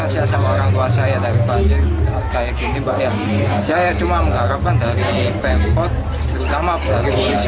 saya cuma mengharapkan dari pemkot terutama bagi polisi